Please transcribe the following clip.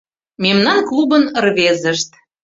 Мемнан клубын рвезышт